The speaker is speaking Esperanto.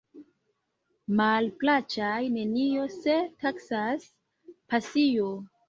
Malplaĉas nenio, se taksas pasio.